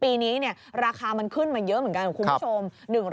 ปีนี้ราคามันขึ้นมาเยอะเหมือนกันคุณผู้ชม